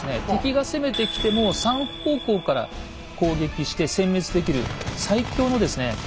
敵が攻めてきても三方向から攻撃してせん滅できる最強のですね